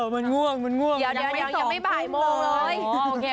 มันง่วงมันง่วงยังไม่บ่ายมองเลย